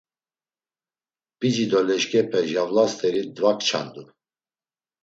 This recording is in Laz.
P̌ici do leşǩepe javla st̆eri dvakçandu.